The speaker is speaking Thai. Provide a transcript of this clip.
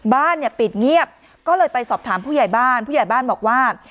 บ้านเนี่ยปิดเงียบก็เลยไปสอบถามผู้ใหญ่บ้านผู้ใหญ่บ้านบอกว่า